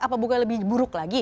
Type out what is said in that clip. apabunga lebih buruk lagi